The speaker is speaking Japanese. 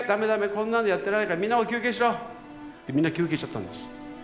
こんなのやってられないからみんなも休憩しろ」ってみんな休憩しちゃったんです。